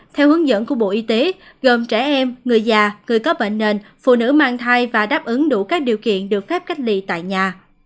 theo hướng dẫn của bộ y tế gồm trẻ em người già người có bệnh nền phụ nữ mang thai và đáp ứng đủ các điều kiện được phép cách ly tại nhà